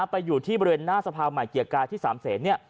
อยู่ที่บริเวณหน้าสภาใหม่เกียรติกายที่๓เศษ